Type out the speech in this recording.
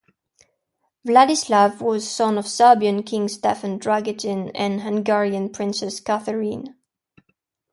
Vladislav was son of Serbian king Stefan Dragutin and Hungarian princess Catherine.